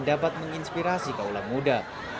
dapat menginspirasi keulang muda